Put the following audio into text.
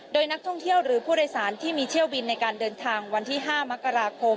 โดยนักท่องเที่ยวหรือผู้โดยสารที่มีเที่ยวบินในการเดินทางวันที่๕มกราคม